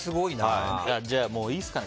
じゃあもういいですかね？